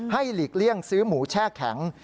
หลีกเลี่ยงซื้อหมูแช่แข็ง